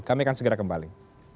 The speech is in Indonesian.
kami akan segera kembali